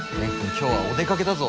今日はお出かけだぞ。